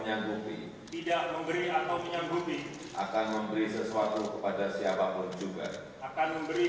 akan memberi sesuatu kepada siapapun juga